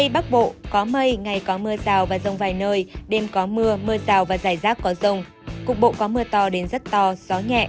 bắc bộ có mưa ngày có mưa rào và dài rác có rông cục bộ có mưa to đến rất to gió nhẹ